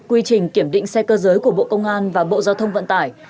quy trình kiểm định xe cơ giới của bộ công an và bộ giao thông vận tải